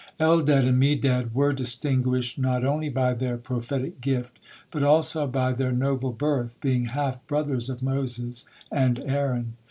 Eldad and Medad were distinguished not only by their prophetic gift, but also by their noble birth, being half brothers of Moses and Aaron.